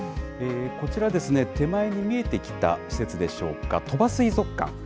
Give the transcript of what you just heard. こちらですね、手前に見えてきた施設でしょうか、鳥羽水族館。